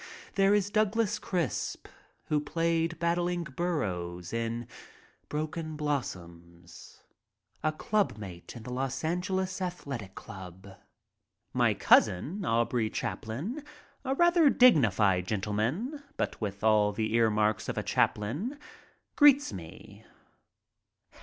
There is Donald Crisp, who played Battling Burrows in "Broken Blossoms," a club mate in the Los Angeles Athletic Club. My cousin, Aubrey Chaplin, a rather dignified gentleman, but with all the earmarks of a Chaplin, greets me.